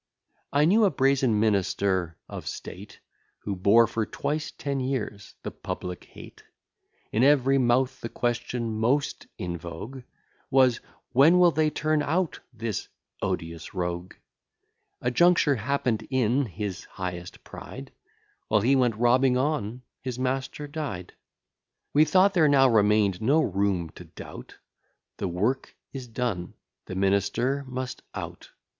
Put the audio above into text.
I knew a brazen minister of state, Who bore for twice ten years the public hate. In every mouth the question most in vogue Was, when will they turn out this odious rogue? A juncture happen'd in his highest pride: While he went robbing on, his master died. We thought there now remain'd no room to doubt; The work is done, the minister must out.